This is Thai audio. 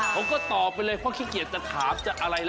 ผมก็ตอบไปเลยเพราะขี้เกียจจะถามจะอะไรแล้ว